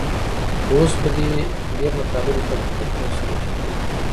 اوس به دې مطالبو ته په کتو سره فکر وکړو